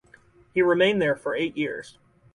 He remained there for eight years.